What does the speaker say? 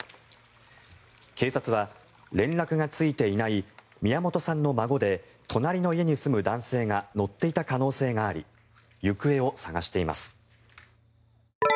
警察は連絡がついていない宮本さんの孫で隣の家に住む男性が乗っていた可能性があり行方を捜しています。